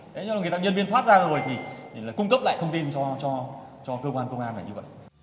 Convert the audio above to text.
thế nên là người ta nhân viên thoát ra rồi thì cung cấp lại thông tin cho cơ quan công an này như vậy